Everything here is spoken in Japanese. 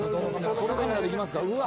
そのカメラで行きますか？